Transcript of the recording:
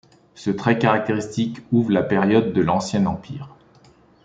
Ce trait caractéristique ouvre la période de l'Ancien Empire.